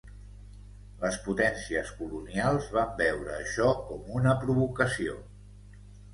Les potències colonials van veure això com una "provocació".